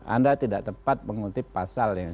anda tidak tepat mengutip pasal yang